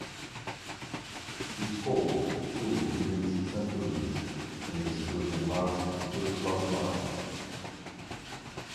He scored two of these centuries in his first and last first-class matches.